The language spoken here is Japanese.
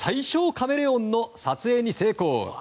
カメレオンの撮影に成功。